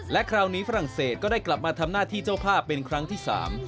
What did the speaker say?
และคราวนี้ฝรั่งเศสก็ได้กลับมาทำหน้าที่เจ้าภาพเป็นครั้งที่สาม